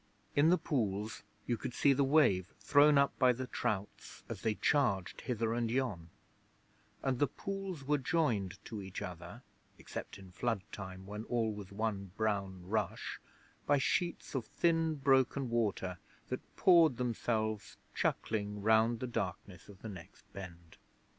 In the pools you could see the wave thrown up by the trouts as they charged hither and yon, and the pools were joined to each other except in flood time, when all was one brown rush by sheets of thin broken water that poured themselves chuckling round the darkness of the next bend.